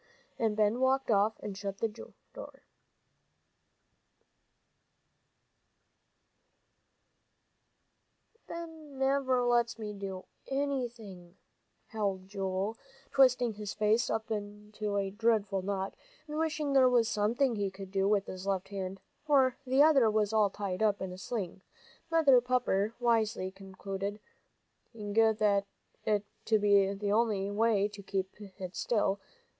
And Ben walked off and shut the door. "Ben never let's me do anything," howled Joel, twisting his face up into a dreadful knot, and wishing there was something he could do with his left hand, for the other was all tied up in a sling, Mother Pepper wisely concluding that to be the only way to keep it still.